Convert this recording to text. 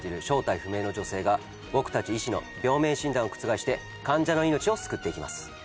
正体不明の女性が僕たち医師の病名診断を覆して患者の命を救っていきます。